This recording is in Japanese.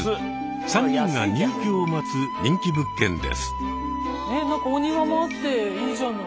３人が入居を待つ人気物件です。